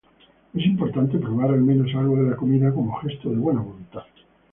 Es importante probar al menos algo de la comida como gesto de buena voluntad.